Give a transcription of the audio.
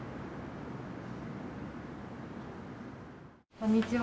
こんにちは。